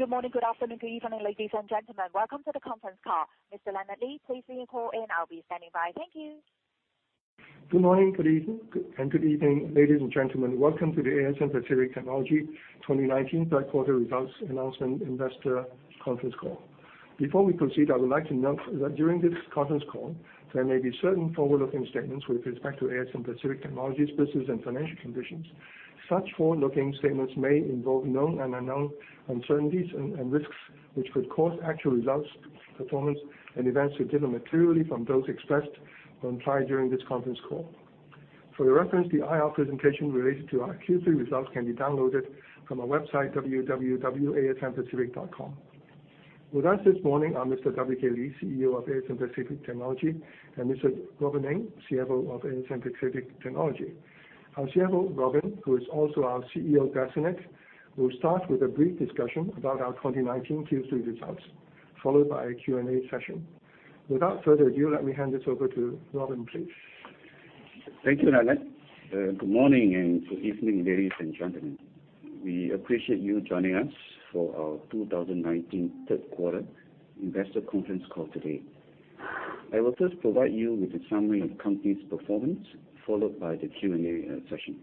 Good morning, good afternoon, good evening, ladies and gentlemen. Welcome to the conference call. Mr. Leonard Lee, please see your call in. I will be standing by. Thank you. Good morning, good evening, and good evening, ladies and gentlemen. Welcome to the ASM Pacific Technology 2019 third quarter results announcement investor conference call. Before we proceed, I would like to note that during this conference call, there may be certain forward-looking statements with respect to ASM Pacific Technology's business and financial conditions. Such forward-looking statements may involve known and unknown uncertainties and risks which could cause actual results, performance, and events to differ materially from those expressed or implied during this conference call. For your reference, the IR presentation related to our Q3 results can be downloaded from our website, www.asmpt.com. With us this morning are Mr. WK Lee, CEO of ASM Pacific Technology, and Mr. Robin Ng, CFO of ASM Pacific Technology. Our CFO, Robin, who is also our CEO designate, will start with a brief discussion about our 2019 Q3 results, followed by a Q&A session. Without further ado, let me hand this over to Robin, please. Thank you, Leonard. Good morning and good evening, ladies and gentlemen. We appreciate you joining us for our 2019 third quarter investor conference call today. I will first provide you with a summary of the company's performance, followed by the Q&A session.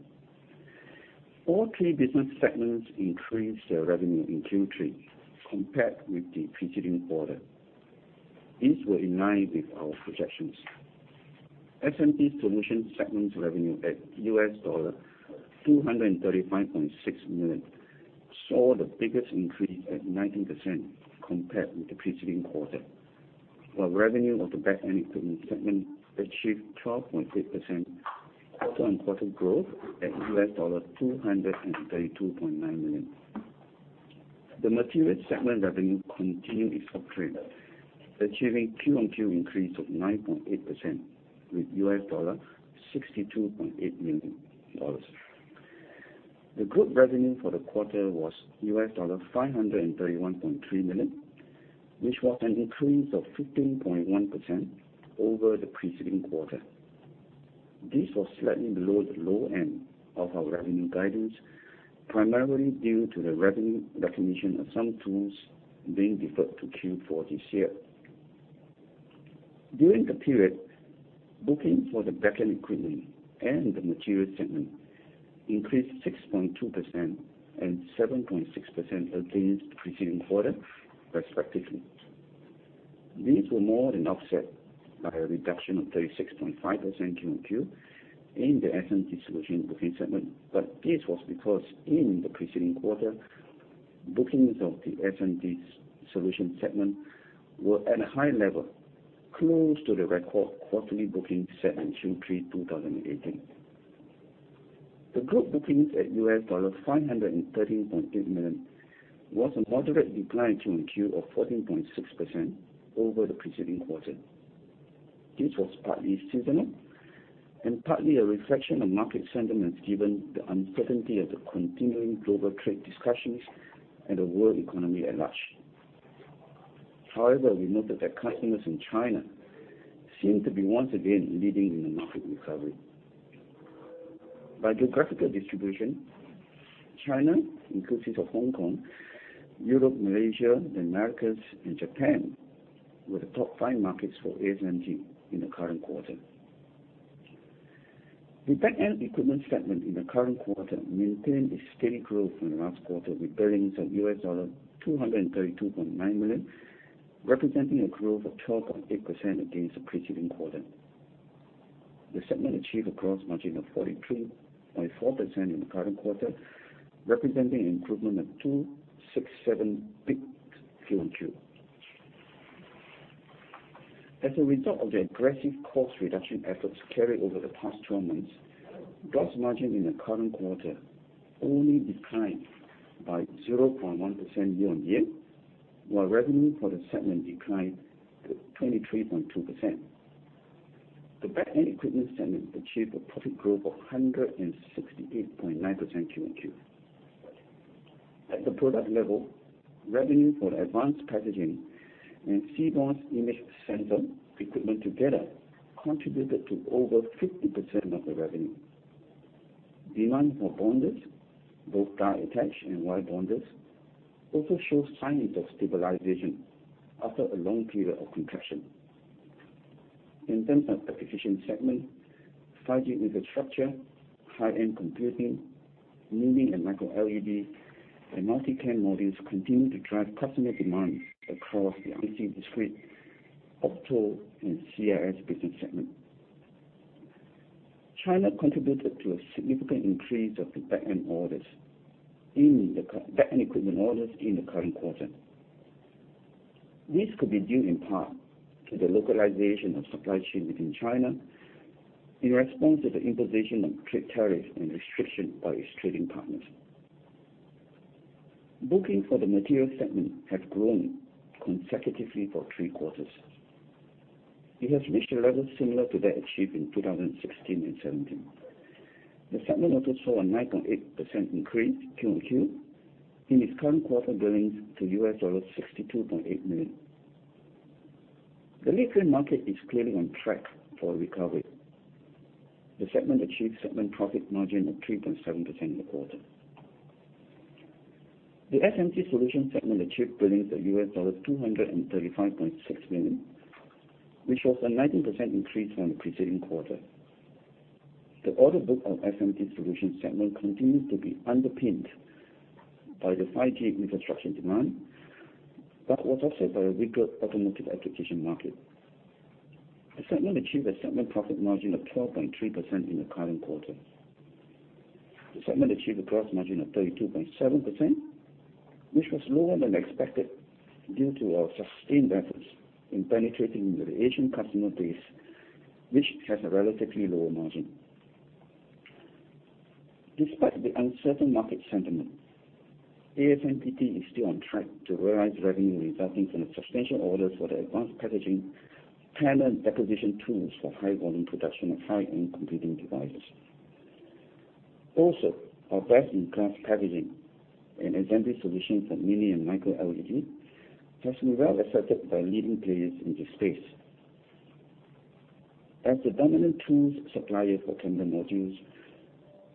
All three business segments increased their revenue in Q3 compared with the preceding quarter. These were in line with our projections. SMT Solutions segment revenue at $235.6 million saw the biggest increase at 19% compared with the preceding quarter. While revenue of the Back-end Equipment segment achieved 12.8% quarter-on-quarter growth at $232.9 million. The Material segment revenue continued its uptrend, achieving Q on Q increase of 9.8% with $62.8 million. The group revenue for the quarter was $531.3 million, which was an increase of 15.1% over the preceding quarter. This was slightly below the low end of our revenue guidance, primarily due to the revenue recognition of some tools being deferred to Q4 this year. During the period, booking for the Back-end Equipment and the Material segment increased 6.2% and 7.6% against the preceding quarter, respectively. These were more than offset by a reduction of 36.5% Q on Q in the SMT Solutions booking segment. This was because in the preceding quarter, bookings of the SMT Solutions segment were at a high level, close to the record quarterly bookings set in Q3 2018. The group bookings at $513.8 million was a moderate decline Q on Q of 14.6% over the preceding quarter. This was partly seasonal and partly a reflection of market sentiments given the uncertainty of the continuing global trade discussions and the world economy at large. However, we note that their customers in China seem to be once again leading in the market recovery. By geographical distribution, China, inclusive of Hong Kong, Europe, Malaysia, the Americas, and Japan, were the top five markets for ASMPT in the current quarter. The Back-end Equipment segment in the current quarter maintained a steady growth from last quarter with billings of $232.9 million, representing a growth of 12.8% against the preceding quarter. The segment achieved a gross margin of 43.4% in the current quarter, representing an improvement of 267 basis points Q on Q. As a result of the aggressive cost reduction efforts carried over the past 12 months, gross margin in the current quarter only declined by 0.1% year-on-year, while revenue for the segment declined to 23.2%. The Back-end Equipment segment achieved a profit growth of 168.9% Q on Q. At the product level, revenue for advanced packaging and CMOS image sensor equipment together contributed to over 50% of the revenue. Demand for die attach and wire bonders also show signs of stabilization after a long period of compression. In terms of application segment, 5G infrastructure, high-end computing, Mini LED and MicroLED, and multi-camera modules continue to drive customer demand across the IC discrete, opto, and CIS business segment. China contributed to a significant increase of the Back-end Equipment orders in the current quarter. This could be due in part to the localization of supply chain within China in response to the imposition of trade tariffs and restriction by its trading partners. Booking for the Material segment have grown consecutively for three quarters. It has reached a level similar to that achieved in 2016 and 2017. The segment also saw a 9.8% increase Q on Q in its current quarter billings to US$62.8 million. The leadframe market is clearly on track for a recovery. The segment achieved segment profit margin of 3.7% in the quarter. The SMT Solutions segment achieved billings of US$235.6 million, which was a 19% increase from the preceding quarter. The order book of SMT Solutions segment continues to be underpinned by the 5G infrastructure demand, but also by a weaker automotive application market. The segment achieved a segment profit margin of 12.3% in the current quarter. The segment achieved a gross margin of 32.7%, which was lower than expected due to our sustained efforts in penetrating into the Asian customer base, which has a relatively lower margin. Despite the uncertain market sentiment, ASMPT is still on track to realize revenue resulting from the substantial orders for the advanced packaging panel and deposition tools for high-volume production of high-end computing devices. Also, our best-in-class packaging and assembly solutions for Mini LED and MicroLED has been well accepted by leading players in this space. As the dominant tools supplier for camera modules,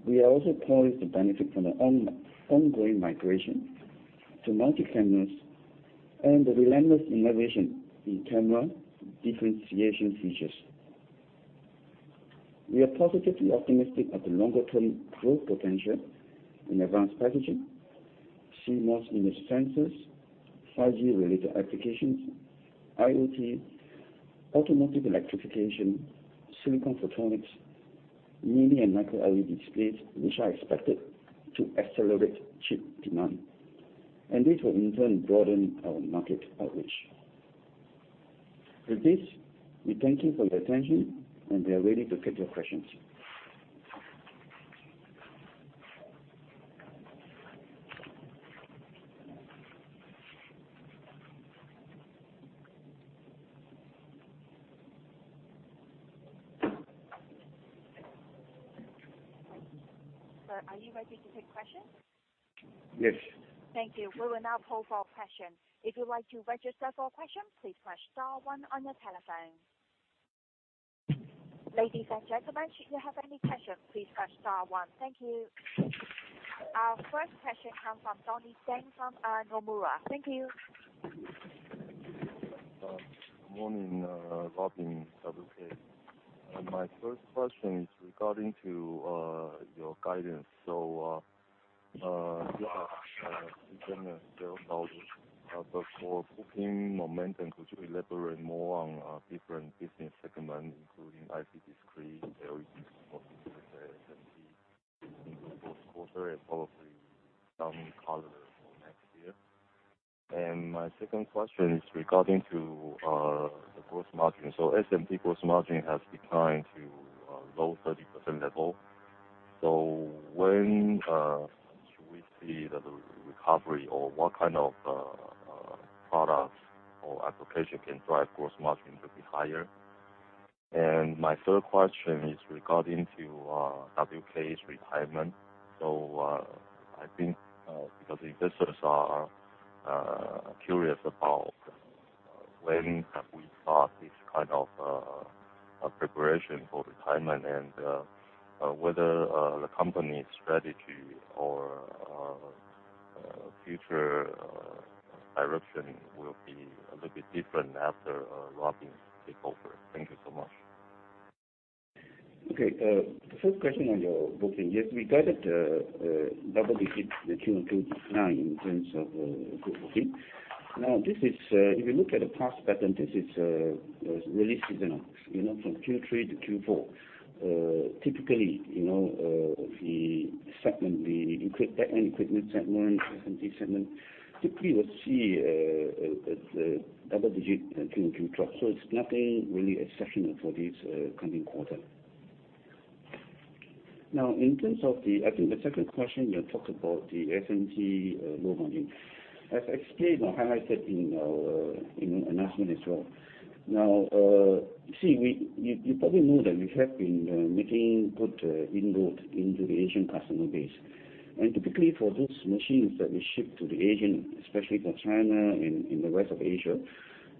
we are also poised to benefit from the ongoing migration to multi-camera modules and the relentless innovation in camera differentiation features. We are positively optimistic of the longer-term growth potential in advanced packaging, CMOS image sensors, 5G-related applications, IoT, automotive electrification, silicon photonics, Mini LED and MicroLED displays, which are expected to accelerate chip demand, and this will in turn broaden our market outreach. With this, we thank you for your attention and we are ready to take your questions. Sir, are you ready to take questions? Yes. Thank you. We will now poll for questions. If you would like to register for a question, please press star one on your telephone. Ladies and gentlemen, should you have any questions, please press star one. Thank you. Our first question comes from Johnny Zhang from Nomura. Thank you. Good morning, Robin, WK. My first question is regarding your guidance. You have given a sales outlook, but for booking momentum, could you elaborate more on different business segments, including IC discrete, LED, SMT in the fourth quarter and probably some color for next year? My second question is regarding the gross margin. SMT gross margin has declined to a low 30% level. When should we see the recovery or what kind of products or application can drive gross margin to be higher? My third question is regarding to WK's retirement. I think because investors are curious about when have we started this kind of preparation for retirement and whether the company's strategy or future direction will be a little bit different after Robin takes over. Thank you so much. The first question on your booking. Yes, we guided double digits Q-on-Q decline in terms of group booking. If you look at the past pattern, this is really seasonal from Q3 to Q4. Typically, the equipment segment, SMT segment, typically will see a double-digit Q-on-Q drop. It's nothing really exceptional for this coming quarter. In terms of, I think the second question, you talked about the SMT low margin. As explained or highlighted in our announcement as well. You probably know that we have been making good inroads into the Asian customer base. Typically, for those machines that we ship to the Asian, especially for China and the rest of Asia,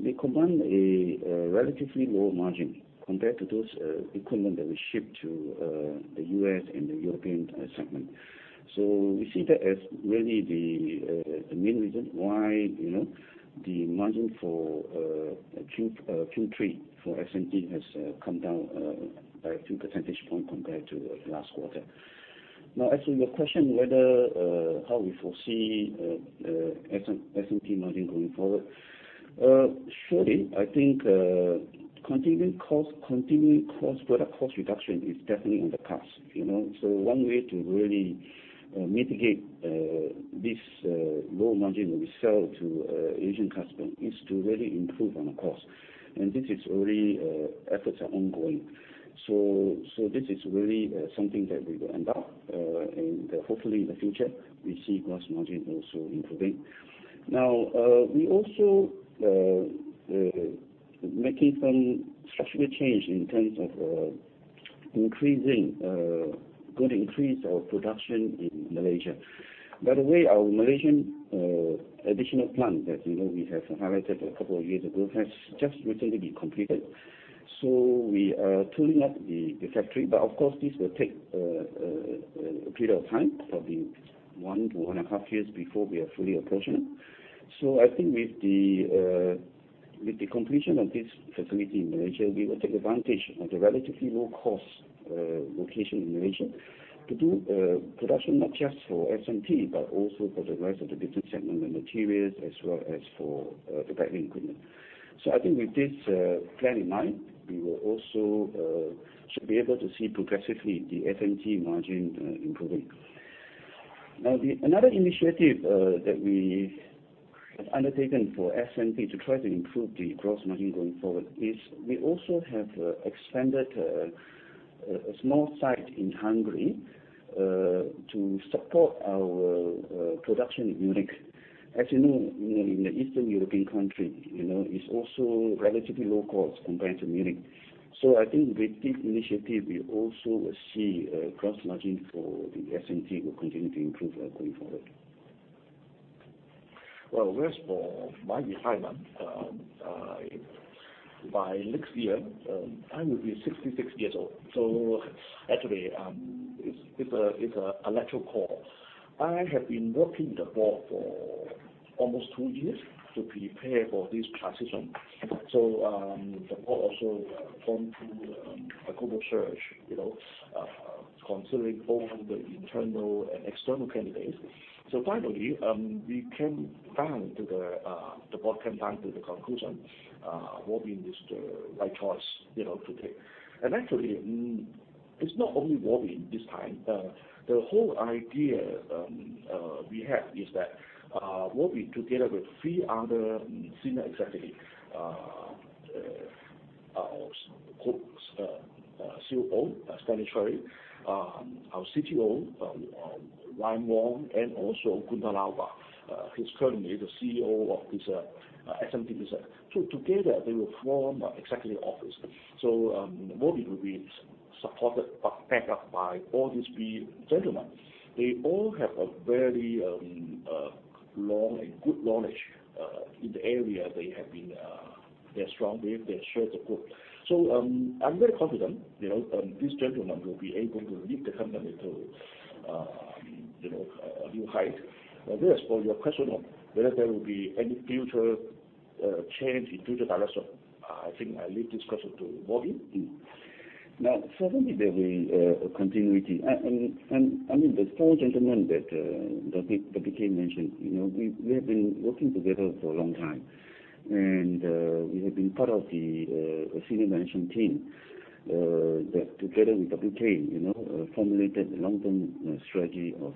they command a relatively lower margin compared to those equipment that we ship to the U.S. and the European segment. We see that as really the main reason why the margin for Q3 for SMT has come down by two percentage points compared to last quarter. As to your question, how we foresee SMT margin going forward, I think continuing product cost reduction is definitely on the cards. One way to really mitigate this low margin when we sell to Asian customers is to really improve on the cost. These efforts are ongoing. This is really something that we will embark and hopefully in the future, we see gross margin also improving. We also making some structural change in terms of increasing our production in Malaysia. Our Malaysian additional plant that we have highlighted a couple of years ago has just recently been completed. We are tooling up the factory, but of course, this will take a period of time, probably one to one and a half years before we are fully operational. I think with the completion of this facility in Malaysia, we will take advantage of the relatively low-cost location in Malaysia to do production, not just for SMT, but also for the rest of the business segment Material, as well as for the Back-end Equipment. I think with this plan in mind, we should be able to see progressively the SMT margin improving. Now, another initiative that we have undertaken for SMT to try to improve the gross margin going forward is we also have expanded a small site in Hungary to support our production in Munich. As you know, in the Eastern European country, it's also relatively low cost compared to Munich. I think with this initiative, we also will see a gross margin for the SMT will continue to improve going forward. Well, as for my retirement, by next year, I will be 66 years old. Actually, it's an electoral call. I have been working the board for almost two years to prepare for this transition. The board also formed a global search, considering all the internal and external candidates. Finally, the board came down to the conclusion, Robin Ng is the right choice to take. Actually, it's not only Robin Ng this time. The whole idea we have is that Robin Ng, together with three other senior executives, our COO, Stanley Chui, our CTO, Ryan Wong, and also Guenter Lauber, who's currently the CEO of SMT Solutions. Together they will form an executive office. Robin Ng will be supported, backed up by all these three gentlemen. They all have a very long and good knowledge in the area they're strong with. They're sure to grow. I'm very confident, these gentlemen will be able to lead the company to new heights. As for your question on whether there will be any future change in future direction, I think I leave discussion to Robin Ng. Certainly there will be a continuity. The four gentlemen that WK mentioned, we have been working together for a long time, and we have been part of the senior management team that together with WK formulated the long-term strategy of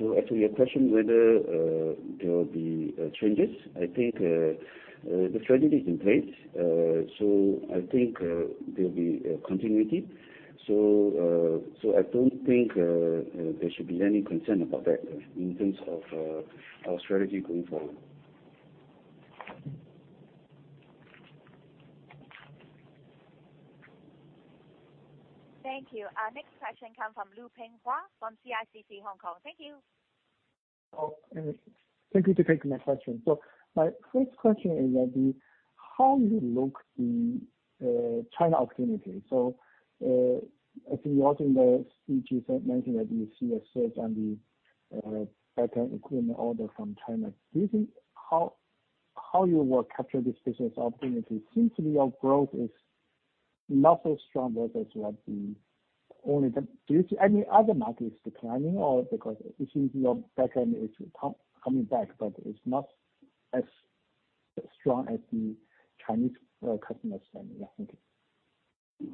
ASMPT. Actually your question whether there will be changes, I think the strategy is in place. I think there'll be continuity. I don't think there should be any concern about that in terms of our strategy going forward. Thank you. Our next question come from Lu Peng Hua from CICC Hong Kong. Thank you. Thank you for taking my question. My first question is that how you look the China opportunity. I think you also in the speech mentioned that you see a surge on the Back-end Equipment order from China. Do you think how you will capture this business opportunity? It seems to me your growth is not as strong as what. Do you see any other markets declining or because it seems your Back-end is coming back, but it's not as strong as the Chinese customers saying. Yeah. Thank you.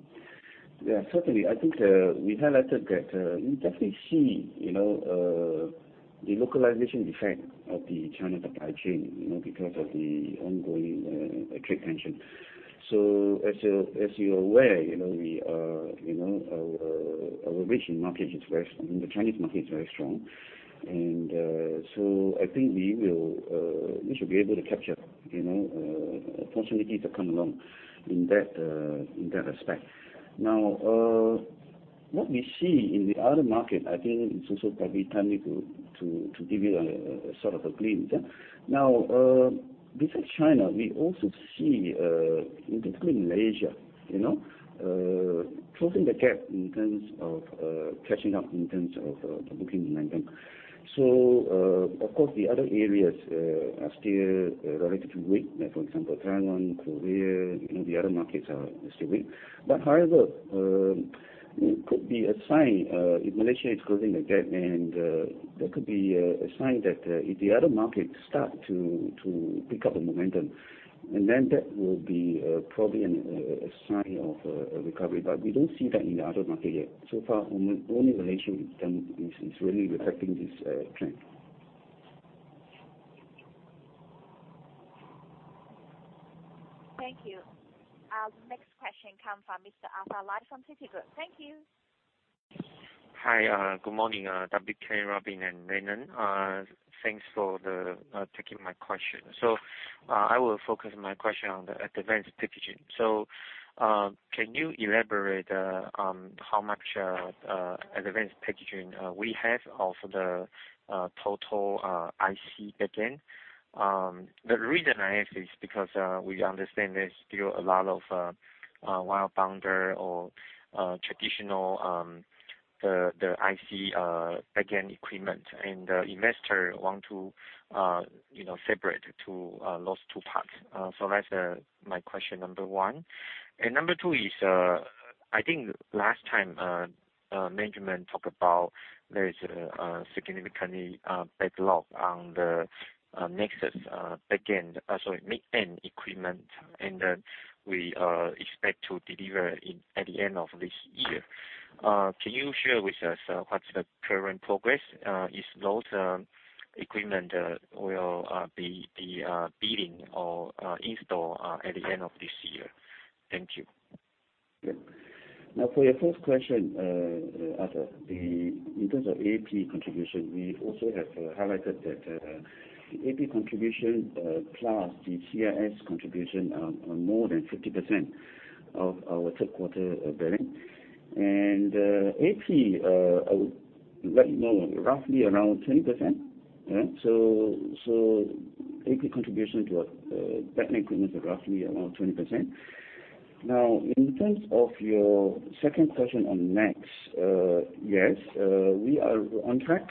Yeah, certainly. I think we highlighted that we definitely see the localization effect of the China supply chain because of the ongoing trade tension. As you're aware, our region market is very strong. The Chinese market is very strong. I think we should be able to capture opportunities that come along in that respect. What we see in the other market, I think it's also probably timely to give you a sort of a glimpse. Besides China, we also see in particular Malaysia closing the gap in terms of catching up in terms of booking momentum. Of course, the other areas are still relatively weak. For example, Taiwan, Korea, the other markets are still weak. However, it could be a sign if Malaysia is closing the gap and that could be a sign that if the other markets start to pick up the momentum, that will be probably a sign of a recovery. We don't see that in the other market yet. So far, only Malaysia is really reflecting this trend. Thank you. The next question come from Mr. Arthur Lai from Citigroup. Thank you. Hi, good morning, WK, Robin, and Leonard. Thanks for taking my question. I will focus my question on the advanced packaging. Can you elaborate on how much advanced packaging we have of the total IC backend? The reason I ask is because we understand there's still a lot of foundry or traditional IC backend equipment, and the investor want to separate those two parts. That's my question number one. Number two is, I think last time, management talked about there is a significant backlog on the NEXX backend, sorry, mid-end equipment, and that we expect to deliver it at the end of this year. Can you share with us what's the current progress? Is those equipment will be billing or install at the end of this year? Thank you. For your first question, Arthur, in terms of AP contribution, we also have highlighted that the AP contribution, plus the CIS contribution, are more than 50% of our third quarter billing. AP, roughly around 20%. AP contribution to our Back-end Equipment is roughly around 20%. In terms of your second question on NEXX, yes, we are on track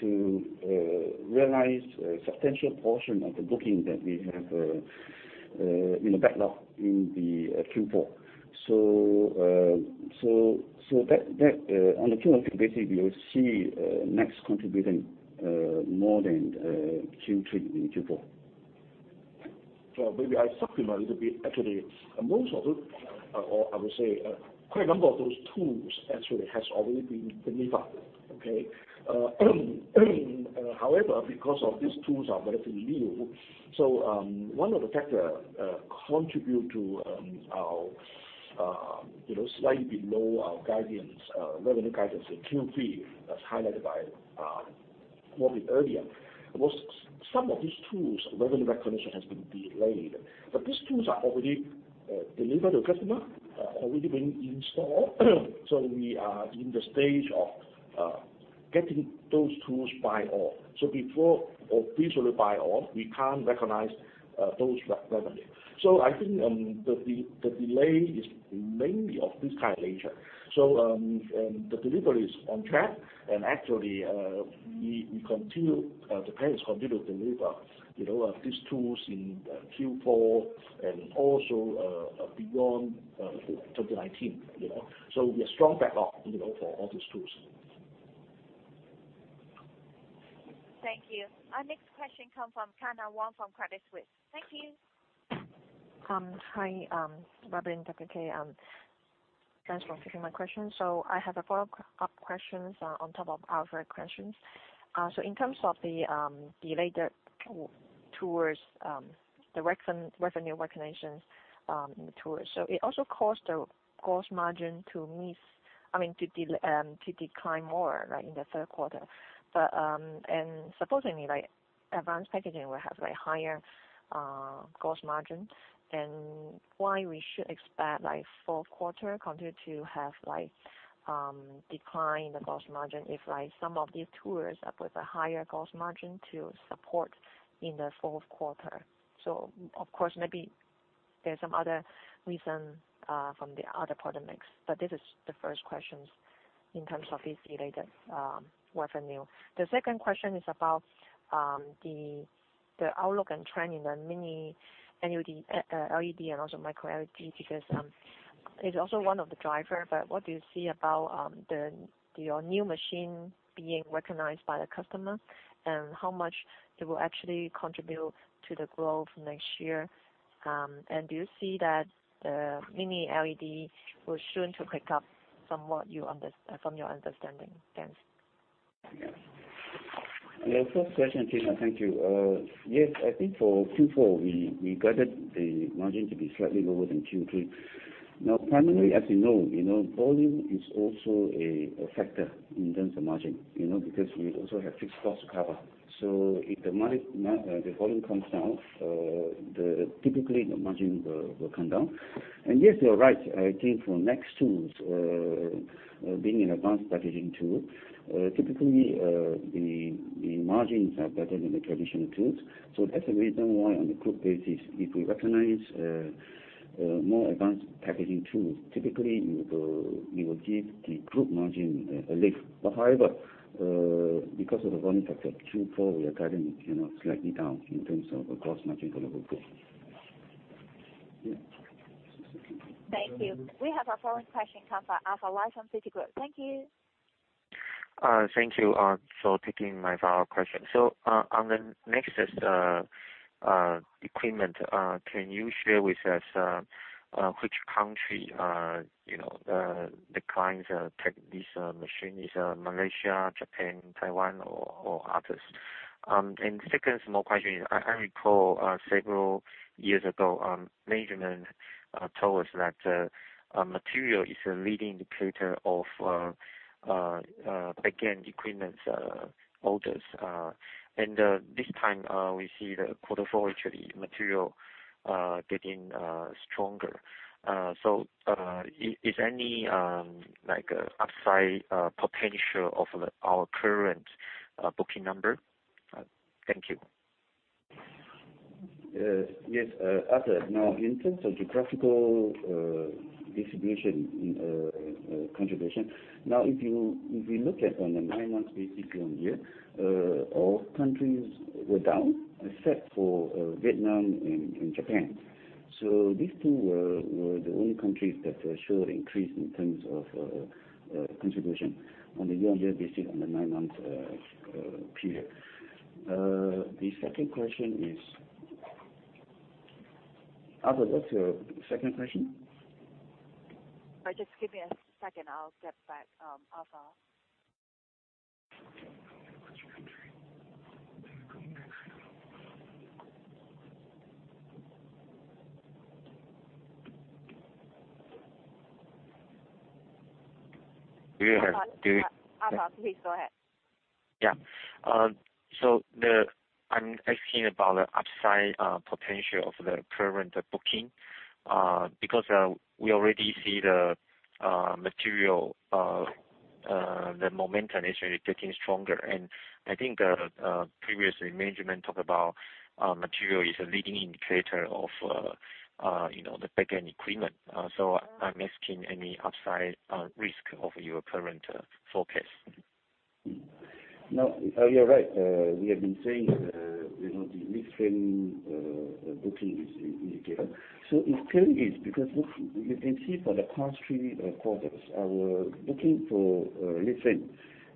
to realize a substantial portion of the booking that we have in the backlog in the Q4. On a quarter-on-quarter basis, you will see NEXX contributing more than Q3 in Q4. Maybe I supplement a little bit. Actually, most of it, or I would say, quite a number of those tools actually has already been delivered. Okay. However, because of these tools are relatively new, one of the factor contribute to our slightly below our revenue guidance in Q3, as highlighted by Robin earlier, was some of these tools, revenue recognition has been delayed. These tools are already delivered to customer, already been installed. We are in the stage of getting those tools buy-off. Before officially buy-off, we can't recognize those revenue. I think the delay is mainly of this kind of nature. The delivery is on track, and actually, Japan is continue to deliver these tools in Q4 and also beyond 2019. We have strong backlog for all these tools. Thank you. Our next question comes from Kyna Wong from Credit Suisse. Thank you. Hi, Robin, WK, and thanks for taking my question. I have a follow-up question on top of Arthur question. In terms of the delayed tools, the revenue recognitions in the tools. It also caused the gross margin to decline more in the third quarter. Supposedly, advanced packaging will have higher gross margin. Why we should expect fourth quarter continue to have decline the gross margin if some of these tools are with a higher gross margin to support in the fourth quarter. Of course, maybe there's some other reason from the other product mix, but this is the first question in terms of this related revenue. The second question is about the outlook and trend in the Mini LED and also MicroLED, because it's also one of the driver. What do you see about your new machine being recognized by the customer? How much they will actually contribute to the growth next year? Do you see that the Mini LED will soon to pick up from your understanding? Thanks. Yeah. Your first question, Kyna, thank you. Yes, I think for Q4, we guided the margin to be slightly lower than Q3. Now, primarily as you know, volume is also a factor in terms of margin, because we also have fixed costs to cover. If the volume comes down, typically the margin will come down. Yes, you're right. I think for NEXX, being an advanced packaging tool, typically, the margins are better than the traditional tools. That's the reason why on a group basis, if we recognize more advanced packaging tools, typically it will give the group margin a lift. However, because of the volume factor, Q4, we are guiding slightly down in terms of the gross margin for the group. Yeah. Thank you. We have our following question come from Arthur Lai from Citigroup. Thank you. Thank you for taking my follow-up question. On the NEXX equipment, can you share with us which country the clients take these machines? Is it Malaysia, Japan, Taiwan, or others? Second small question is, I recall several years ago, management told us that Material is a leading indicator of Back-end Equipment orders. This time we see the quarter over actually Material getting stronger. Is there any upside potential of our current booking number? Thank you. Yes, Arthur. In terms of geographical distribution contribution, if you look at on a nine months basically on the year, all countries were down except for Vietnam and Japan. These two were the only countries that showed increase in terms of contribution on a year-on-year basis on the nine-month period. The second question is? Arthur, what's your second question? Just give me a second, I'll get back, Arthur. Do you hear? Arthur, please go ahead. I'm asking about the upside potential of the current booking, because we already see the Material, the momentum is really getting stronger. I think previously management talked about Material is a leading indicator of the Back-end Equipment. I'm asking any upside risk of your current forecast. You're right. We have been saying the leadframe booking is indicator. It still is because, look, you can see for the past three quarters, our booking for leadframe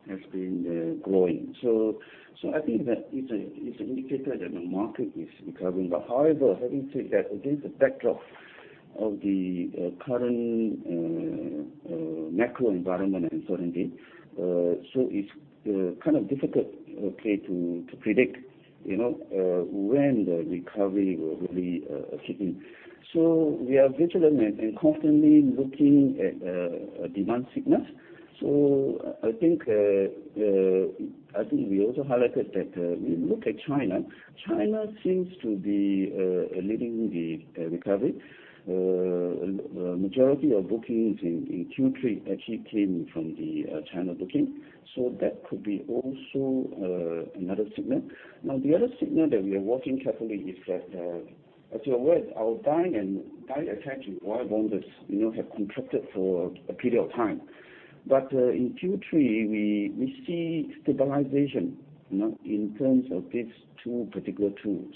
has been growing. I think that it's an indicator that the market is recovering. However, having said that, against the backdrop of the current macro environment uncertainty, so it's kind of difficult, okay, to predict when the recovery will really kick in. We are vigilant and constantly looking at demand signals. I think we also highlighted that if you look at China seems to be leading the recovery. Majority of bookings in Q3 actually came from the China booking. That could be also another signal. The other signal that we are watching carefully is that, as you're aware, our die attach and wire bonders have contracted for a period of time. In Q3, we see stabilization in terms of these two particular tools.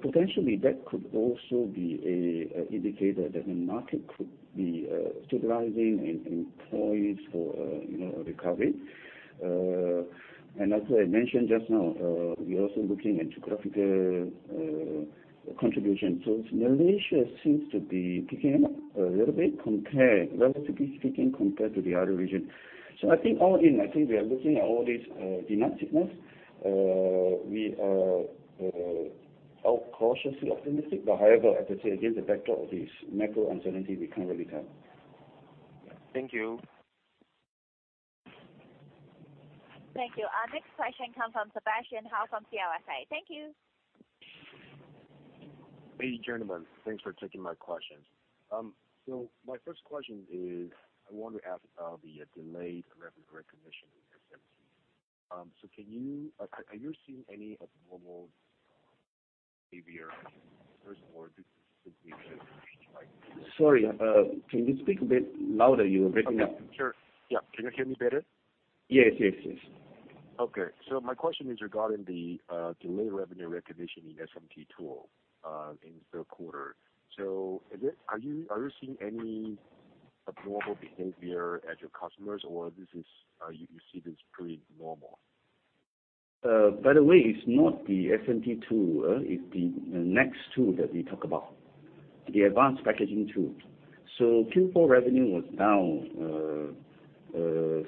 Potentially that could also be an indicator that the market could be stabilizing and poised for a recovery. As I mentioned just now, we are also looking at geographical contribution. Malaysia seems to be picking up a little bit, relatively speaking, compared to the other region. I think all in, I think we are looking at all these demand signals. We are cautiously optimistic. However, as I said, against the backdrop of this macro uncertainty, we can't really tell. Thank you. Thank you. Our next question comes from Sebastian Ho from CLSA. Thank you. Ladies, gentlemen, thanks for taking my questions. My first question is, I want to ask about the delayed revenue recognition in SMT. Are you seeing any abnormal behavior first? Sorry, can you speak a bit louder? You're breaking up. Okay. Sure. Yeah. Can you hear me better? Yes. My question is regarding the delayed revenue recognition in SMT tool in the third quarter. Are you seeing any abnormal behavior at your customers, or you see this pretty normal? By the way, it's not the SMT tool, it's the next tool that we talk about, the advanced packaging tool. Q4 revenue was down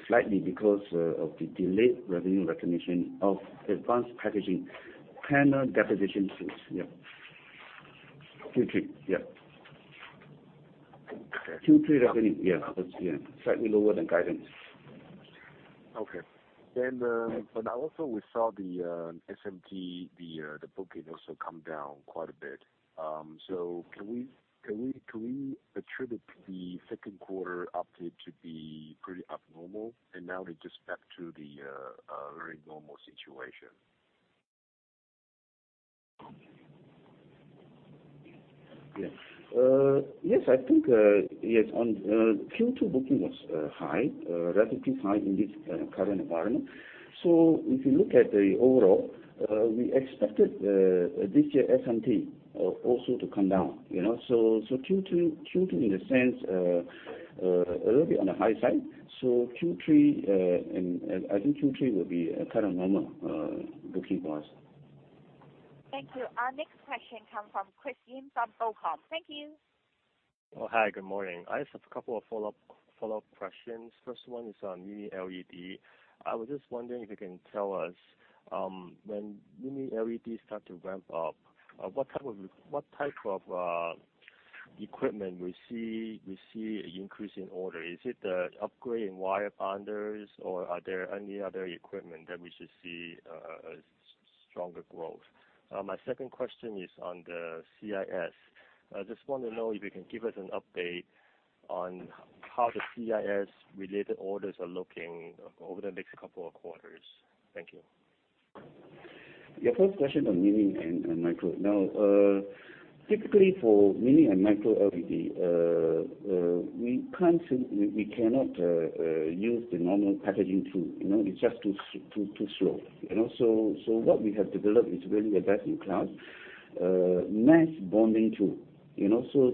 slightly because of the delayed revenue recognition of advanced packaging panel deposition tools. Q3. Okay. Q3 revenue, yeah, was slightly lower than guidance. Okay. Now also we saw the SMT, the booking also come down quite a bit. Can we attribute the second quarter update to be pretty abnormal and now we're just back to the very normal situation? Yes. I think, yes, on Q2 booking was high, relatively high in this current environment. If you look at the overall, we expected this year SMT also to come down. Q2 in a sense, a little bit on the high side. Q3, and I think Q3 will be a kind of normal booking for us. Thank you. Our next question comes from Christine from Bocom. Thank you. Hi, good morning. I just have a couple of follow-up questions. First one is on Mini LED. I was just wondering if you can tell us, when Mini LED start to ramp up, what type of equipment we see an increase in order? Is it the upgrade in wire bonders, or are there any other equipment that we should see a stronger growth? My second question is on the CIS. I just want to know if you can give us an update on how the CIS related orders are looking over the next couple of quarters. Thank you. Your first question on Mini LED and MicroLED. Typically for Mini LED and MicroLED, we cannot use the normal packaging tool. It's just too slow. What we have developed is really a best-in-class mass bonding tool.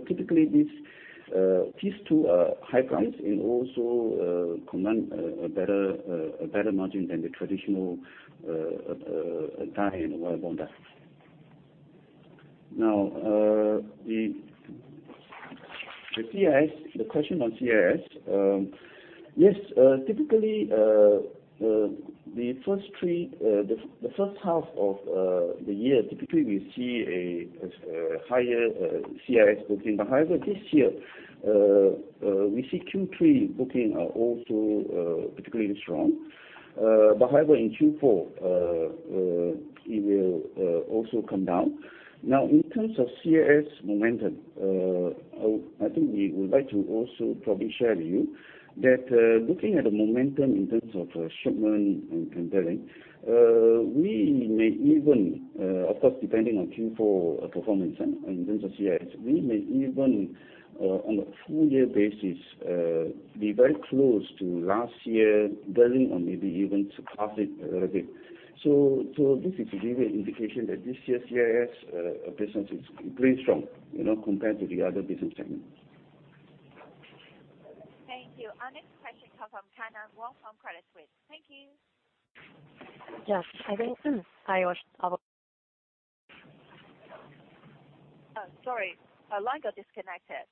Typically these two are high price and also command a better margin than the traditional die and wire bonder. The question on CIS. Yes, the first half of the year, typically we see a higher CIS booking. However, this year, we see Q3 booking are also particularly strong. However, in Q4, it will also come down. In terms of CIS momentum, I think we would like to also probably share with you that looking at the momentum in terms of shipment and billing, of course, depending on Q4 performance and in terms of CIS, we may even, on a full year basis, be very close to last year billing or maybe even surpass it a little bit. This is to give you an indication that this year's CIS business is pretty strong compared to the other business segments. Thank you. Our next question comes from Kyna Wong from Credit Suisse. Thank you. Yes, Hi, Sorry, line got disconnected.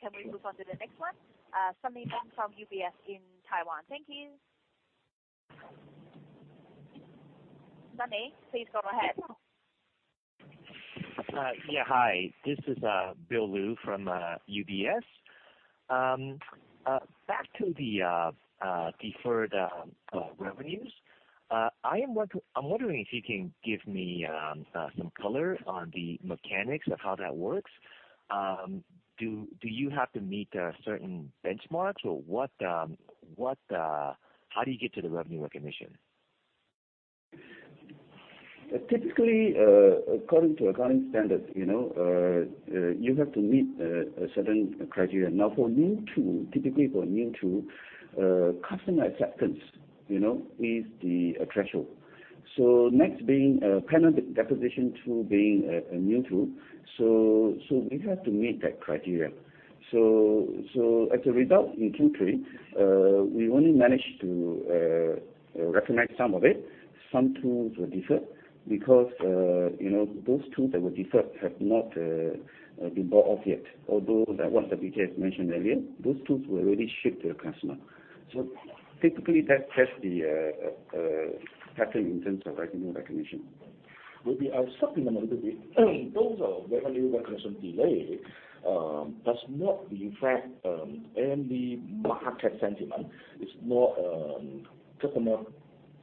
Can we move on to the next one? [Sunny Lin] from UBS in Taiwan. Thank you. Sunny, please go ahead. Yeah. Hi, this is Bill Lu from UBS. Back to the deferred revenues, I'm wondering if you can give me some color on the mechanics of how that works. Do you have to meet certain benchmarks, or how do you get to the revenue recognition? Typically, according to accounting standards, you have to meet a certain criteria. Now, typically for a new tool, customer acceptance is the threshold. NEXX being a panel deposition tool being a new tool, so we have to meet that criteria. As a result, in Q3, we only managed to recognize some of it. Some tools were deferred because those tools that were deferred have not been bought off yet. Although, like what Lee Wai has mentioned earlier, those tools were already shipped to the customer. Typically, that's the pattern in terms of revenue recognition. Maybe I will supplement a little bit. Those are revenue recognition delay, does not reflect any market sentiment. It's more customer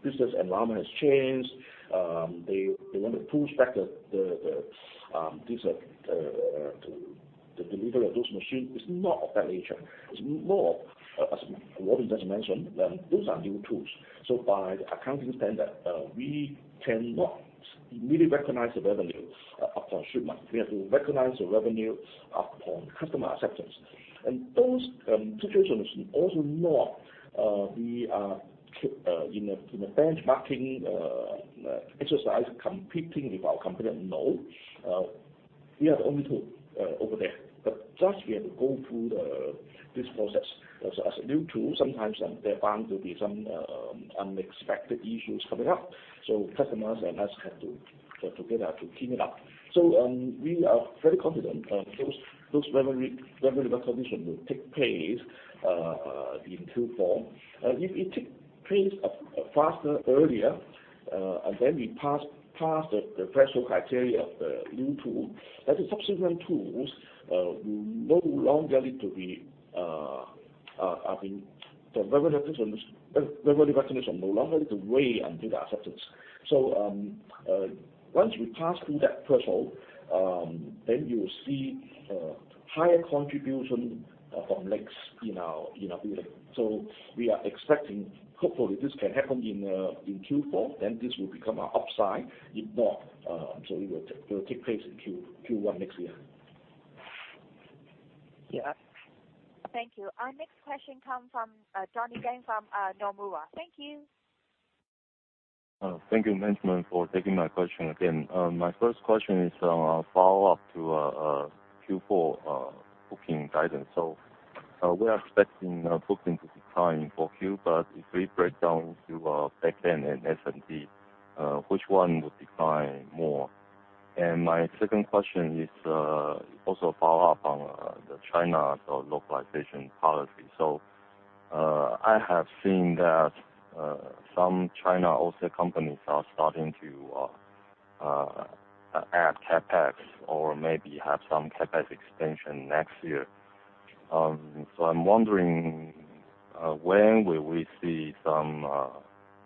business environment has changed. They want to push back the delivery of those machines. It's not of that nature. It's more of, as Robin just mentioned, those are new tools. By the accounting standard, we cannot really recognize the revenue upon shipment. We have to recognize the revenue upon customer acceptance. Those situations also not we are in a benchmarking exercise competing with our competitor, no. We are the only tool over there. Just we have to go through this process. As a new tool, sometimes there are bound to be some unexpected issues coming up, so customers and us have to get together to team it up. We are very confident those revenue recognition will take place in Q4. If it takes place faster, earlier, then we pass the threshold criteria of the new tool. The revenue recognition no longer needs to wait until the acceptance. Once we pass through that threshold, then you will see higher contribution from NEXX in our building. We are expecting, hopefully this can happen in Q4, then this will become an upside. If not, it will take place in Q1 next year. Yeah. Thank you. Our next question comes from Donnie Teng from Nomura. Thank you. Thank you, management, for taking my question again. We are expecting bookings to decline for Q, but if we break down to our Back-end and SMT, which one would decline more? My second question is also a follow-up on the China localization policy. I have seen that some China OSAT companies are starting to add CapEx or maybe have some CapEx expansion next year. I'm wondering when will we see some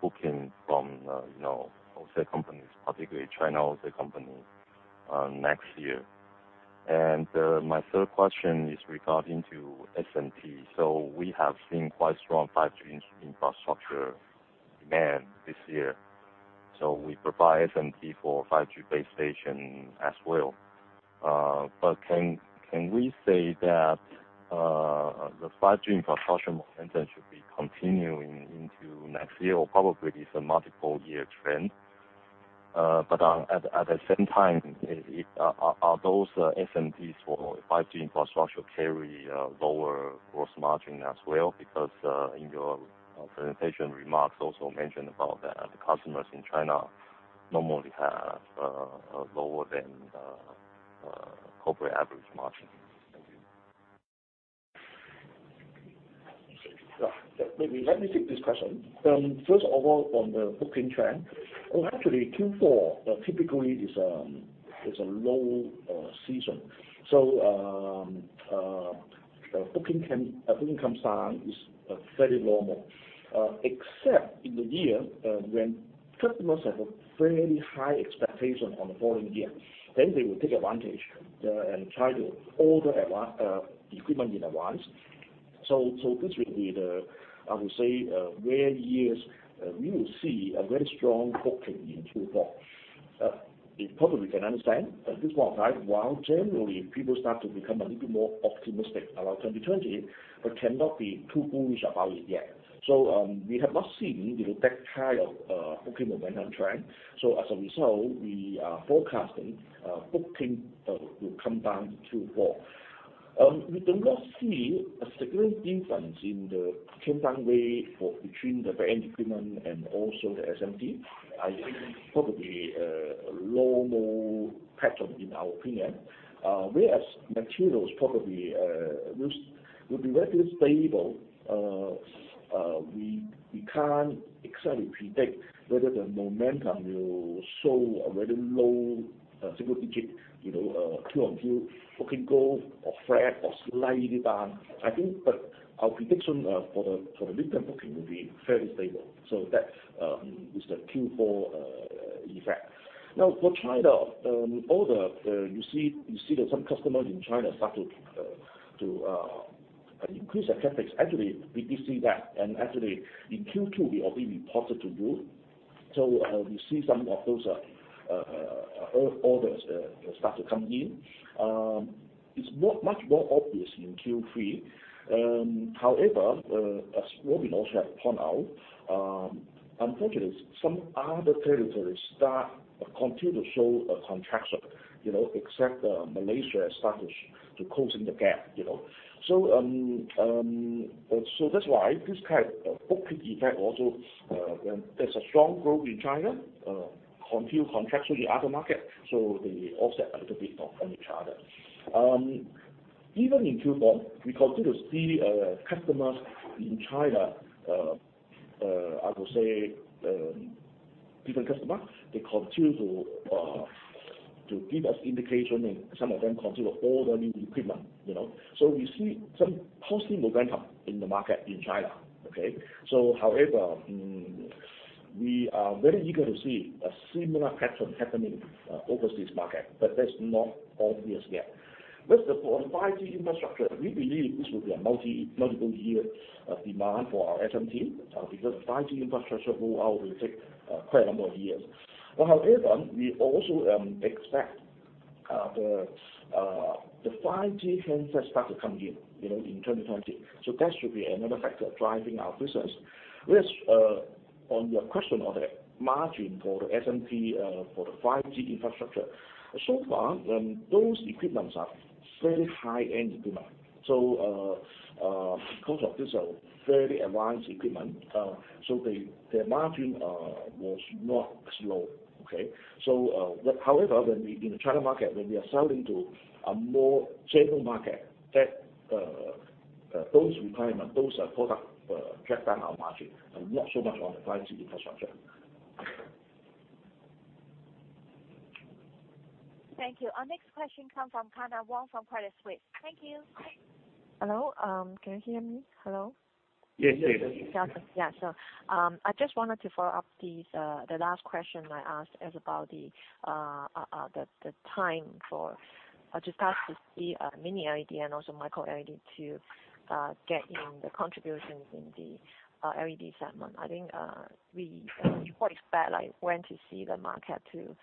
booking from OSAT companies, particularly China OSAT companies, next year? My third question is regarding to SMT. We have seen quite strong 5G infrastructure demand this year. We provide SMT for 5G base station as well. Can we say that the 5G infrastructure momentum should be continuing into next year, or probably it's a multiple-year trend? At the same time, are those SMTs for 5G infrastructure carry a lower gross margin as well? In your presentation remarks also mentioned about the customers in China normally have lower than corporate average margin. Thank you. Let me take this question. First of all, on the booking trend, actually Q4 typically is a low season. Booking comes down is very normal, except in the year when customers have a very high expectation on the following year, then they will take advantage and try to order equipment in advance. This will be, I would say, rare years we will see a very strong booking in Q4. If probably we can understand this one, right? While generally people start to become a little bit more optimistic about 2020, but cannot be too bullish about it yet. We have not seen that kind of booking momentum trend. We are forecasting booking will come down in Q4. We do not see a significant difference in the change down rate between the Back-end Equipment and also the SMT. I think probably a normal pattern in our opinion, whereas Material probably will be very stable. We can't exactly predict whether the momentum will show a very low single-digit, Q-on-Q booking growth or flat or slightly down. I think that our prediction for the midterm booking will be fairly stable. That is the Q4 effect. For China, you see that some customers in China start to increase their CapEx. We did see that, and actually in Q2 we already reported the growth. We see some of those orders start to come in. It's much more obvious in Q3. As Robin also has pointed out, unfortunately, some other territories continue to show a contraction, except Malaysia has started to close in the gap. That's why this kind of booking effect also, there's a strong growth in China, continued contraction in the other market, they OSAT a little bit from each other. Even in Q4, we continue to see customers in China, I would say, different customer, they continue to give us indication and some of them continue to order new equipment. We see some positive momentum in the market in China, okay? However, we are very eager to see a similar pattern happening overseas market, but that's not obvious yet. With the 5G infrastructure, we believe this will be a multiple year demand for our SMT, because 5G infrastructure roll-out will take quite a number of years. However, we also expect the 5G handset start to come in 2020. That should be another factor driving our business. On your question on the margin for the SMT for the 5G infrastructure. Far, those equipments are very high-end equipment. Because these are very advanced equipment, their margin was not as low. However, in the China market, when we are selling to a more general market, those requirements, those products drag down our margin, and not so much on the 5G infrastructure. Thank you. Our next question comes from Kyna Wong from Credit Suisse. Thank you. Hello? Can you hear me? Hello? Yes. I just wanted to follow up the last question I asked is about the time for Mini LED and also MicroLED to get in the contributions in the LED segment. I think we quite expect when to see the market to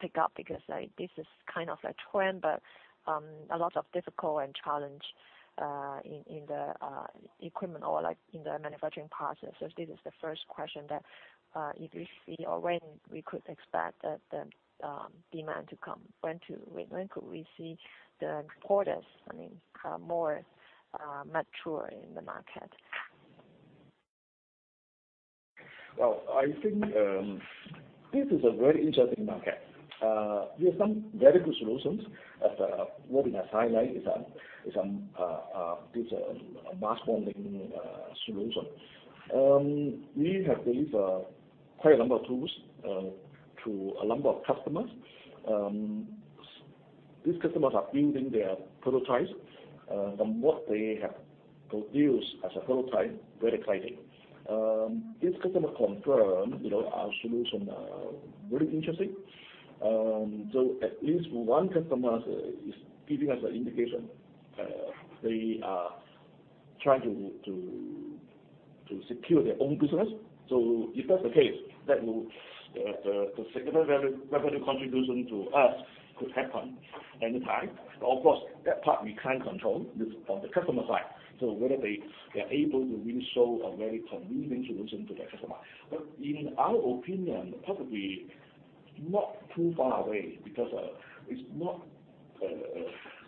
pick up because this is kind of a trend, but a lot of difficult and challenge in the equipment or in the manufacturing process. This is the first question that if we see or when we could expect the demand to come. When could we see the products more mature in the market? Well, I think this is a very interesting market. There are some very good solutions, as Robin has highlighted, this mass bonding solution. We have delivered quite a number of tools to a number of customers. These customers are building their prototypes. From what they have produced as a prototype, very exciting. These customers confirm our solutions are very interesting. At least one customer is giving us an indication they are trying to secure their own business. If that's the case, the significant revenue contribution to us could happen anytime. Of course, that part we can't control, this is on the customer side. Whether they are able to really show a very convenient solution to their customer. In our opinion, probably not too far away, because it's not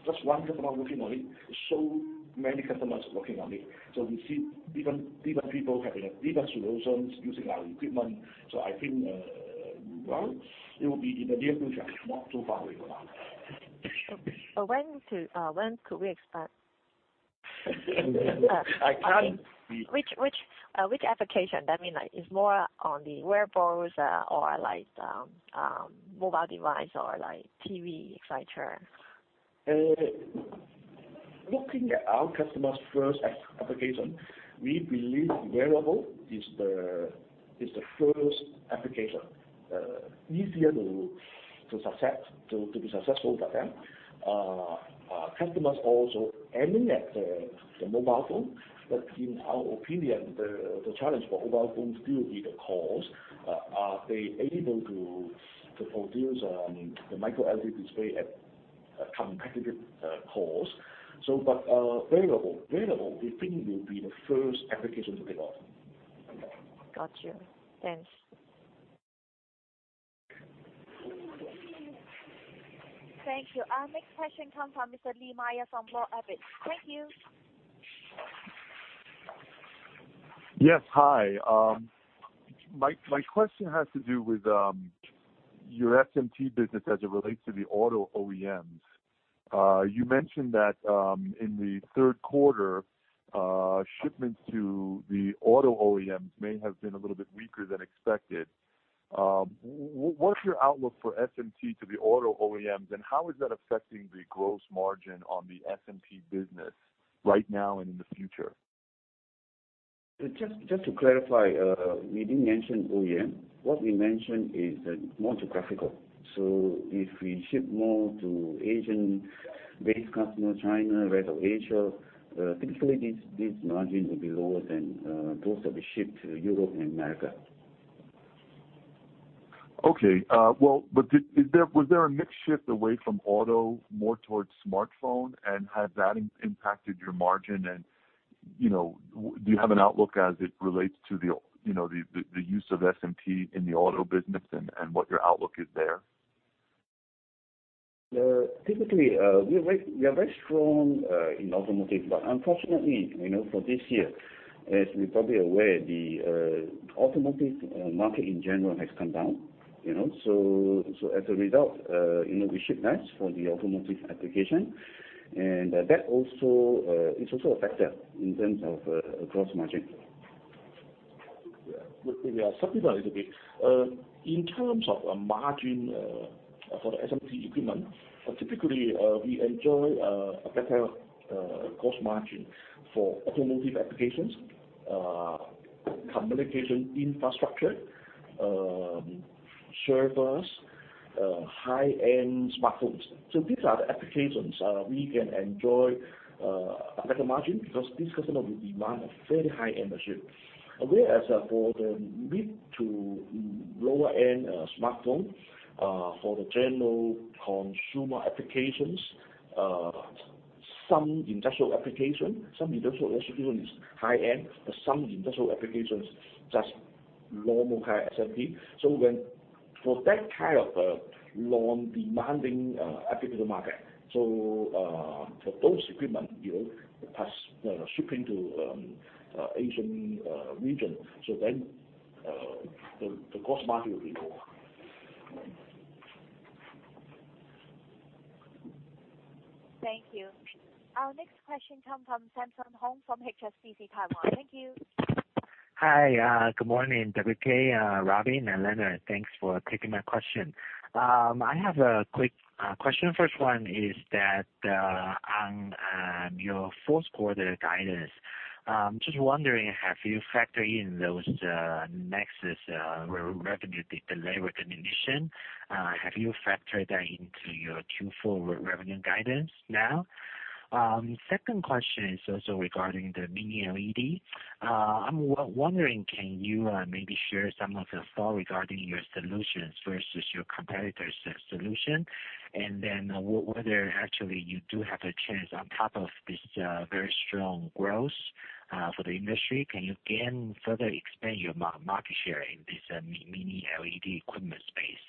just one customer working on it. Many customers are working on it. We see different people having different solutions using our equipment. I think, well, it will be in the near future, not too far away, Kyna. When could we expect? I can't- Which application? I mean, is more on the wearables or mobile device or TV, et cetera? Looking at our customers' first application, we believe wearable is the first application, easier to be successful with them. Our customers also aiming at the mobile phone, but in our opinion, the challenge for mobile phone still will be the cost. Are they able to produce the MicroLED display at a competitive cost? But wearable, we think, will be the first application to take off. Got you. Thanks. Thank you. Our next question comes from Mr. Lee Myer from Moore Abbott. Thank you. Yes. Hi. My question has to do with your SMT business as it relates to the auto OEMs. You mentioned that in the third quarter, shipments to the auto OEMs may have been a little bit weaker than expected. What's your outlook for SMT to the auto OEMs, and how is that affecting the gross margin on the SMT business right now and in the future? Just to clarify, we didn't mention OEM. What we mentioned is more geographical. If we ship more to Asian-based customers, China, rest of Asia, typically, these margins will be lower than those that we ship to Europe and America. Okay. Well, Was there a mix shift away from auto more towards smartphone? Has that impacted your margin? Do you have an outlook as it relates to the use of SMT in the auto business and what your outlook is there? Typically, we are very strong in automotive, but unfortunately, for this year, as you're probably aware, the automotive market in general has come down. As a result, we ship less for the automotive application. That also is a factor in terms of gross margin. Yeah. Something a little bit. In terms of margin for the SMT equipment, typically, we enjoy a better cost margin for automotive applications, communication infrastructure, servers, high-end smartphones. These are the applications we can enjoy a better margin because these customers will demand a very high-end machine. Whereas for the mid to lower-end smartphone, for the general consumer applications, some industrial application is high-end, but some industrial applications, just normal high SMT. For that kind of a demanding application market, for those equipment, plus shipping to Asian region, so then the cost margin will be lower. Thank you. Our next question comes from Samson Hong from HSBC Taiwan. Thank you. Hi. Good morning, WK, Robin, and Leonard. Thanks for taking my question. I have a quick question. First one is that on your fourth quarter guidance, just wondering, have you factored in those NEXX revenue delay recognition? Have you factored that into your Q4 revenue guidance now? Second question is also regarding the Mini LED. I'm wondering, can you maybe share some of your thought regarding your solutions versus your competitors' solution? Whether actually you do have a chance on top of this very strong growth for the industry, can you again further expand your market share in this Mini LED equipment space?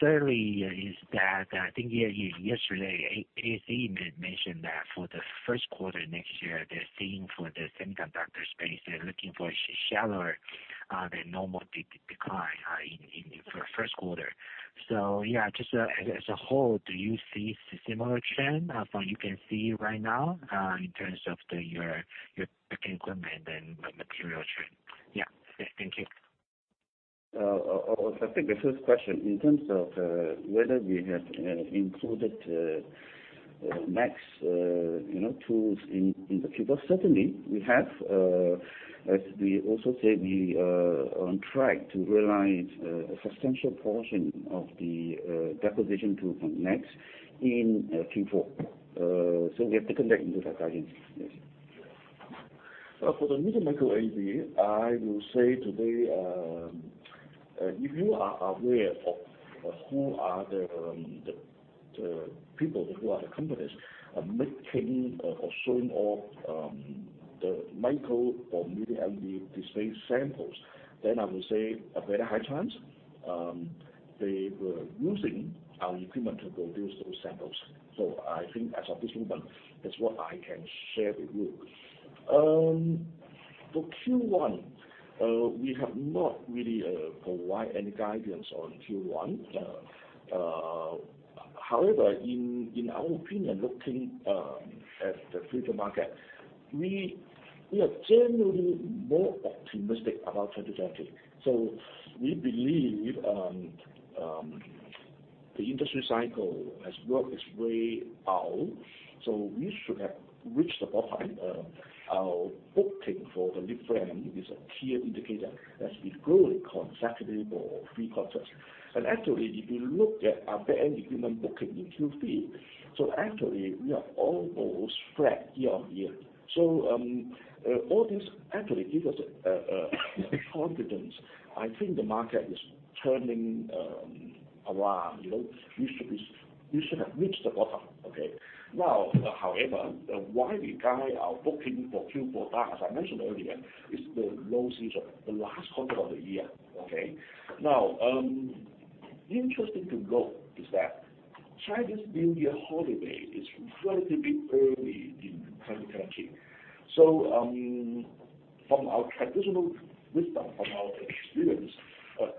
Thirdly is that, I think yesterday, ASE mentioned that for the first quarter next year, they're seeing for the semiconductor space, they're looking for a shallower than normal decline for first quarter. Yeah, just as a whole, do you see similar trend from what you can see right now, in terms of your equipment and Material trend? Yeah. Thank you. I think the first question, in terms of whether we have included NEXX tools in the future, certainly we have. As we also said, we are on track to realize a substantial portion of the deposition tool from NEXX in Q4. We have taken that into that guidance. Yes. For the Mini MicroLED, I will say today, if you are aware of who are the people, who are the companies are making or showing off the MicroLED or Mini LED display samples, then I would say a very high chance they were using our equipment to produce those samples. I think as of this moment, that's what I can share with you. For Q1, we have not really provided any guidance on Q1. In our opinion, looking at the future market, we are generally more optimistic about 2020. We believe the industry cycle has worked its way out. We should have reached the bottom. Our booking for the leadframe is a clear indicator that we've grown sequentially for three quarters. Actually, if you look at our Back-end Equipment booking in Q3, we are almost flat year-on-year. All this actually gives us confidence. I think the market is turning around. We should have reached the bottom. Okay. Now, however, why we guide our booking for Q4 down, as I mentioned earlier, it's the low season, the last quarter of the year. Okay. Now, interesting to note is that Chinese New Year holiday is relatively early in 2020. From our traditional wisdom, from our experience,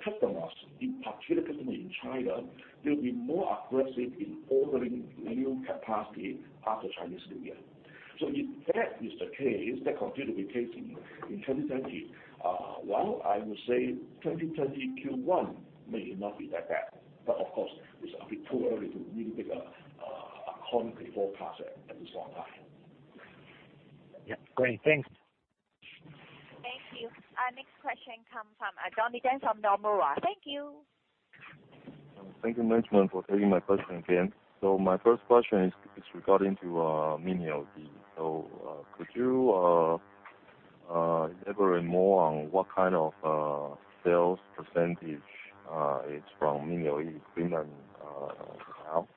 customers, in particular customers in China, they'll be more aggressive in ordering new capacity after Chinese New Year. If that is the case, that continues to be the case in 2020, well, I would say 2020 Q1 may not be that bad. Of course, it's a bit too early to really make a concrete forecast at this point in time. Yeah. Great. Thanks. Thank you. Our next question come from Donnie Teng from Nomura. Thank you. Thank you very much for taking my question again. My first question is regarding to Mini LED. Could you elaborate more on what kind of sales % is from Mini LED equipment now?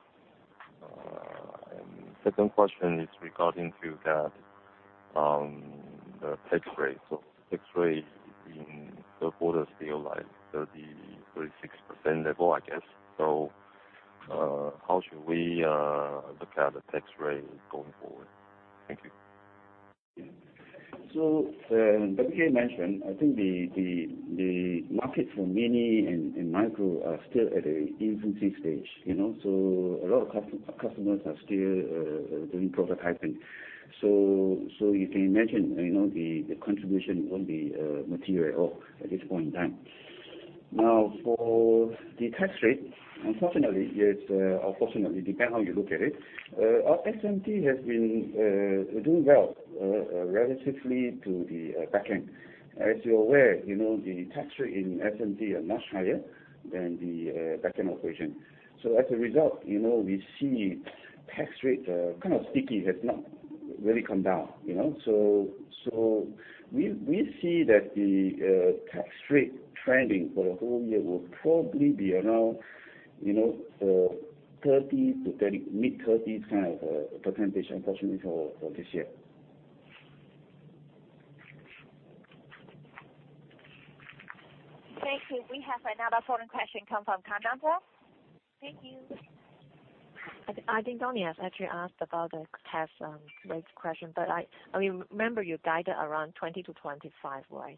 Second question is regarding to the tax rate. Tax rate in the quarter is still 36% level, I guess. How should we look at the tax rate going forward? Thank you. Like we mentioned, I think the market for Mini and Micro are still at a infancy stage. You can imagine the contribution won't be material at all at this point in time. Now, for the tax rate, unfortunately, or fortunately, depend how you look at it, our SMT has been doing well, relatively to the Back-end. As you're aware, the tax rate in SMT are much higher than the Back-end operation. As a result, we see tax rate kind of sticky, has not really come down. We see that the tax rate trending for the whole year will probably be around 30%-mid-30% kind of a percentage, unfortunately, for this year. Thank you. We have another phone question come from Kyna Wong. Thank you. I think Johnny has actually asked about the tax rates question, but I remember you guided around 20%-25%, right?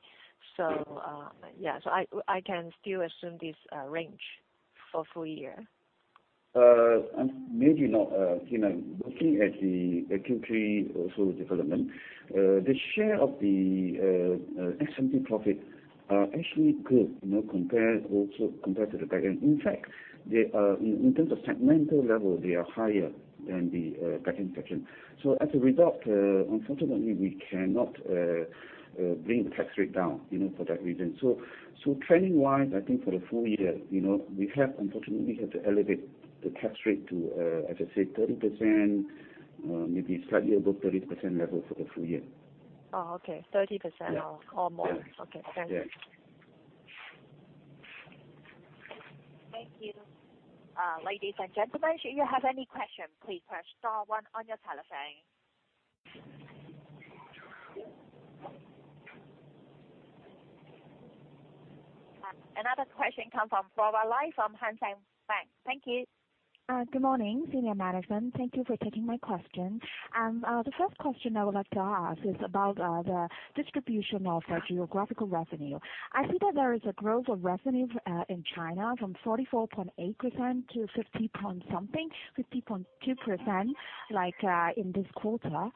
Yes. Yeah. I can still assume this range for full year? Maybe not. Looking at the Q3 also development, the share of the SMT profit are actually good, also compared to the Back-end. In fact, in terms of segmental level, they are higher than the Back-end section. As a result, unfortunately, we cannot bring the tax rate down for that reason. Trending-wise, I think for the full year, we unfortunately have to elevate the tax rate to, as I said, 30%, maybe slightly above 30% level for the full year. Oh, okay. 30% or more. Yes. Okay. Thank you. Yes. Thank you. Ladies and gentlemen, should you have any question, please press star one on your telephone. Another question come from Flora Lai from Hang Seng Bank. Thank you. Good morning, senior management. Thank you for taking my questions. The first question I would like to ask is about the distribution of the geographical revenue. I see that there is a growth of revenue in China from 44.8% to 50.2% in this quarter.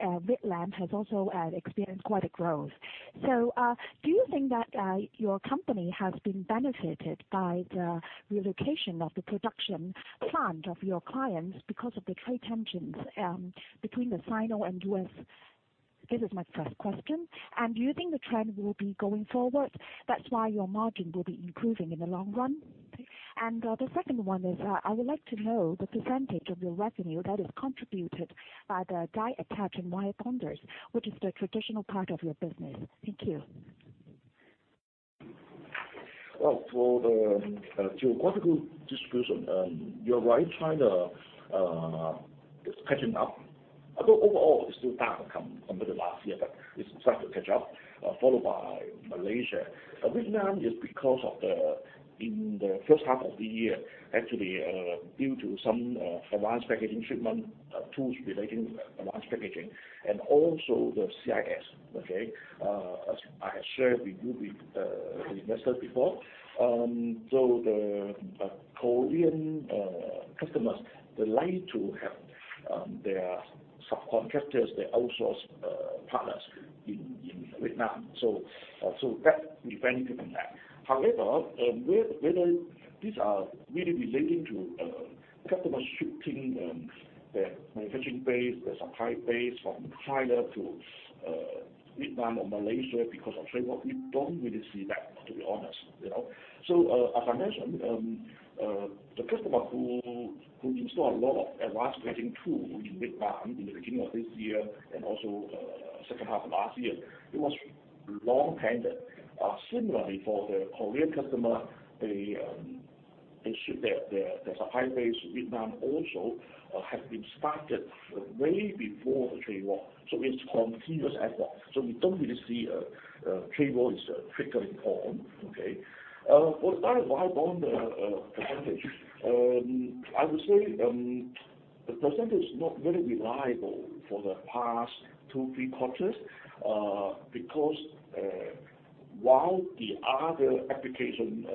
While Malaysia and Vietnam has also experienced quite a growth. Do you think that your company has been benefited by the relocation of the production plant of your clients because of the trade tensions between the Sino-U.S.? This is my first question. Do you think the trend will be going forward, that's why your margin will be improving in the long run? The second one is, I would like to know the percentage of your revenue that is contributed by the die attach and wirebonds, which is the traditional part of your business. Thank you. Well, for the geographical distribution, you're right, China is catching up. Although overall, it's still down compared to last year, but it's starting to catch up, followed by Malaysia. Vietnam is because in the first half of the year, actually, due to some advanced packaging treatment tools relating to advanced packaging and also the CIS. Okay? As I have shared with you, the investors before, the Korean customers, they like to have their subcontractors, their outsource partners in Vietnam. We benefited from that. Whether these are really relating to customers shifting their manufacturing base, their supply base from China to Vietnam or Malaysia because of trade war, we don't really see that, to be honest. As I mentioned, the customer who installed a lot of advanced packaging tool in Vietnam in the beginning of this year and also second half of last year, it was long pending. Similarly, for the Korean customer, their supply base Vietnam also have been started way before the trade war. It's continuous effort. We don't really see trade war is a triggering point. Okay. For the die and wirebond percentage, I would say the percentage is not very reliable for the past two, three quarters, because while the other application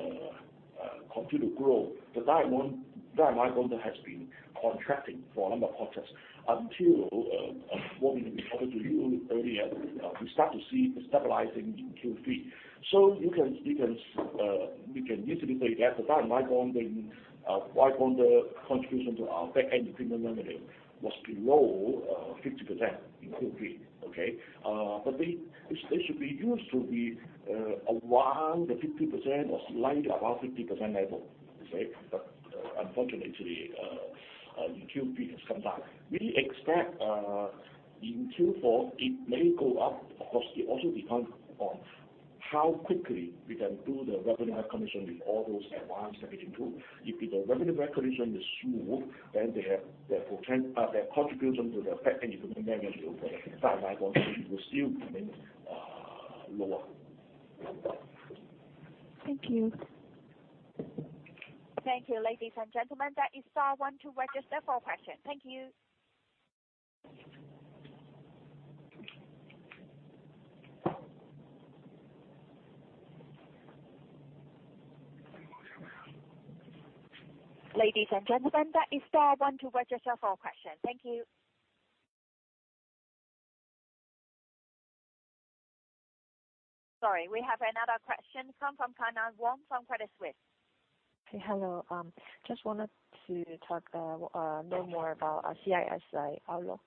continue to grow, the die and wirebond has been contracting for a number of quarters, until, what we reported to you earlier, we start to see stabilizing in Q3. You can easily say that the die and wirebond contribution to our Back-end Equipment revenue was below 50% in Q3. Okay. They used to be around the 50% or slightly above 50% level. Unfortunately, in Q3 it has come down. We expect in Q4 it may go up. Of course, it also depends on how quickly we can do the revenue recognition with all those advanced packaging tools. If the revenue recognition is smooth, then their contribution to the Back-end Equipment revenue, die to wirebond will still remain lower. Thank you. Thank you, ladies and gentlemen, that is star one to register for a question. Sorry, we have another question come from Kyna Wong from Credit Suisse. Hey. Hello. Just wanted to know more about CIS outlook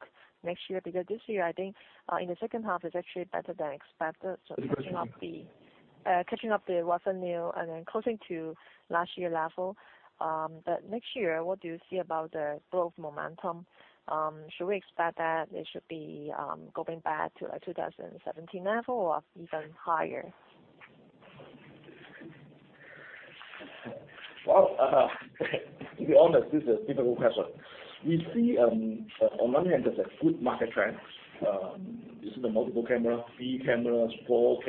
next year, because this year, I think in the second half, it's actually better than expected. Yes. Catching up the revenue and then closing to last year level. Next year, what do you see about the growth momentum? Should we expect that it should be going back to 2017 level or even higher? Well, to be honest, this is a difficult question. We see on one hand, there's a good market trend. This is the multiple camera, three camera, four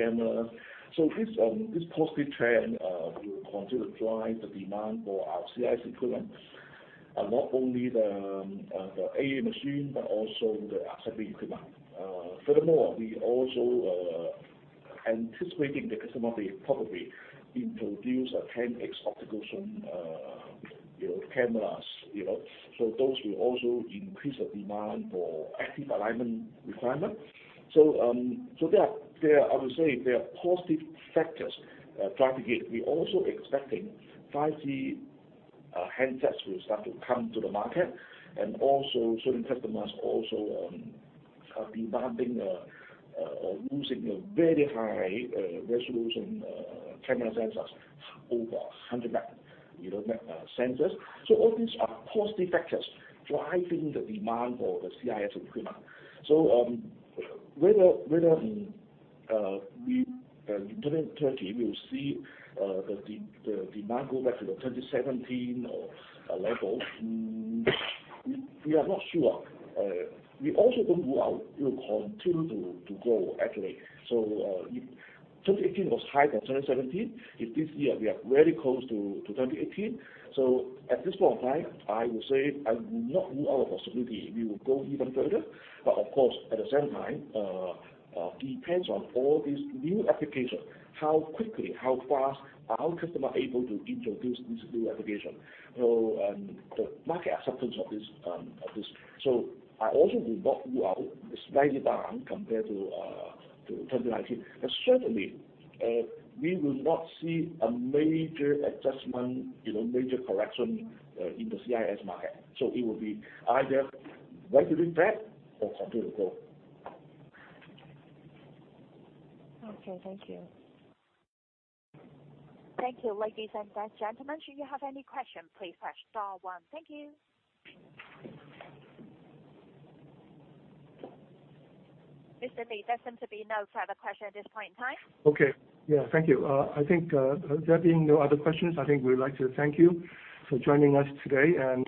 camera. This positive trend will continue to drive the demand for our CIS equipment. Not only the AA machine, but also the assembly equipment. Furthermore, we also are anticipating the customer will probably introduce a 10x optical zoom cameras. Those will also increase the demand for active alignment requirement. I would say there are positive factors driving it. We're also expecting 5G handsets will start to come to the market and certain customers also are demanding or using a very high-resolution camera sensors, over 100-meg sensors. All these are positive factors driving the demand for the CIS equipment. Whether in 2030, we will see the demand go back to the 2017 or levels, we are not sure. We also don't rule out it will continue to grow, actually. 2018 was higher than 2017. If this year we are very close to 2018, at this point in time, I will say I will not rule out a possibility we will grow even further. Of course, at the same time, depends on all these new applications, how quickly, how fast our customer are able to introduce these new application. The market acceptance of this. I also will not rule out it's slightly down compared to 2019. Certainly, we will not see a major adjustment, major correction in the CIS market. It will be either relatively flat or continue to grow. Okay. Thank you. Thank you, ladies and gents, gentlemen. Should you have any question, please press star one. Thank you. Mr. Lee, there seem to be no further question at this point in time. Okay. Yeah. Thank you. I think there being no other questions, I think we would like to thank you for joining us today, and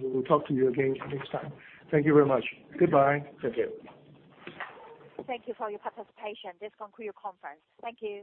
we will talk to you again next time. Thank you very much. Goodbye. Thank you. Thank you for your participation. This conclude your conference. Thank you.